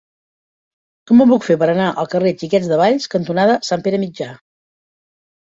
Com ho puc fer per anar al carrer Xiquets de Valls cantonada Sant Pere Mitjà?